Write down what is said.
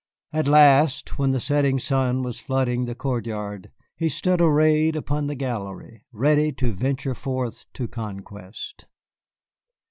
At last, when the setting sun was flooding the court yard, he stood arrayed upon the gallery, ready to venture forth to conquest.